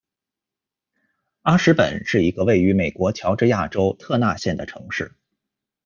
阿什本是一个位于美国乔治亚州特纳县的城市。